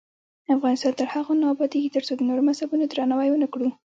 افغانستان تر هغو نه ابادیږي، ترڅو د نورو مذهبونو درناوی ونکړو.